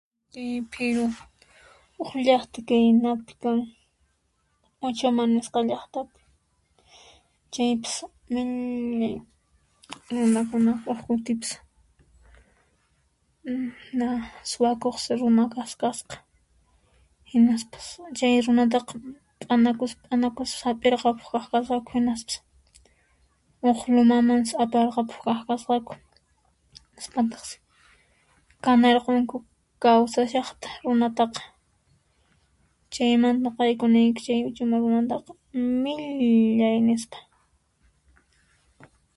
Phiru, huk llaqta kay napi kan, Uchama nisqa llaqtapi, chaypis millay runakunaqa. Huk kutipis [na] suwakuqsi runa kas kasqa hinaspas chay runataqa p'anakuspa p'anakuspa hap'irqapuq kaq kasqakapu hinaspas huk lumamantas aparqapuq kaq kasqaku hinaspataqsi kanarqunku kawsashaqta runataqa chaymanta nuqayku niyku chay runataqa millay nispa.